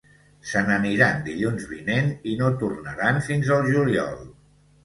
Se n'aniran dilluns vinent i no tornaran fins el juliol